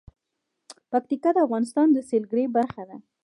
پکتیکا د افغانستان د سیلګرۍ برخه ده.